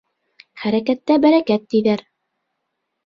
Хәрәкәттә — бәрәкәт, тиҙәр.